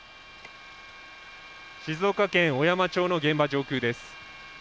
静岡県小山町の現場上空です。